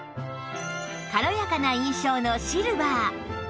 軽やかな印象のシルバー